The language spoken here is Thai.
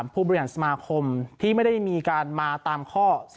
ผู้บริหารสมาคมที่ไม่ได้มีการมาตามข้อ๔